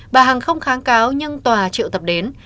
bà hằng không kháng cáo nhưng tòa triệu tập đến